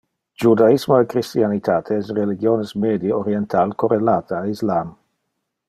Judaismo e Christianitate es religiones medie oriental correlate a Islam.